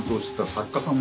作家さん？